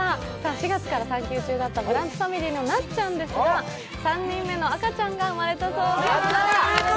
４月から産休中だったブランチファミリーのなっちゃんですが、３人目の赤ちゃんが生まれたそうです。